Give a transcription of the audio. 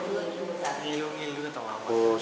ngilu ngilu atau lama